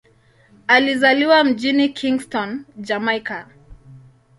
Alizaliwa mjini Kingston, Jamaika.